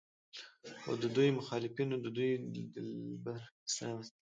خو د دوي مخالفينو د دوي د لبرل